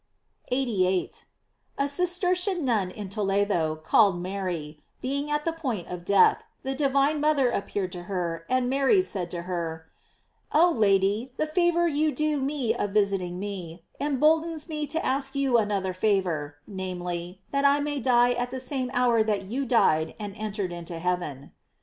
* 88. — A Cistercian nun in Toledo, called Mary, being at the point of death, the divine mother appeared to her, and Mary said to her: "Oh Lady, the favor you do me of visiting me, em boldens me to ask you another favor, namely, that I may die at the same hour that you died and entered into heaven.